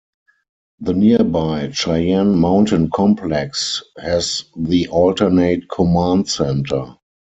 The nearby Cheyenne Mountain Complex has the Alternate Command Center.